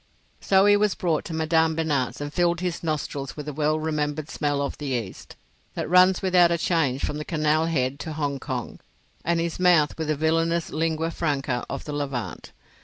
So he was brought to Madame Binat's and filled his nostrils with the well remembered smell of the East, that runs without a change from the Canal head to Hong Kong, and his mouth with the villainous Lingua Franca of the Levant.